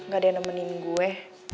gak ada yang nemenin gue